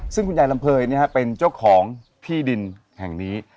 ซึ่งคุณยายลำเภยเป็นเจ้าของที่ดินแห่งนี้